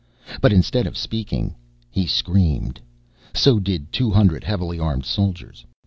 But instead of speaking, he screamed. So did two hundred heavily armed soldiers.